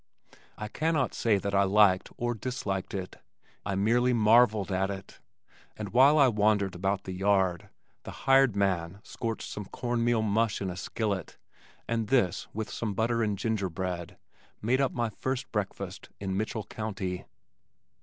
I cannot say that I liked or disliked it. I merely marvelled at it, and while I wandered about the yard, the hired man scorched some cornmeal mush in a skillet and this with some butter and gingerbread, made up my first breakfast in Mitchell County.